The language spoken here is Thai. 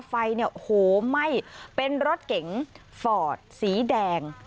ไฟเนี่ยโอ้โหไหม้เป็นรถเก๋งฟอร์ดสีแดง